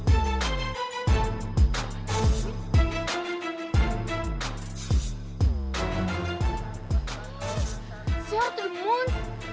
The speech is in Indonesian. sehat tuh mun